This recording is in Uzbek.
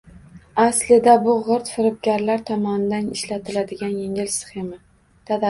Aslida bu g‘irt firibgarlar tomonidan ishlatiladigan yengil sxema.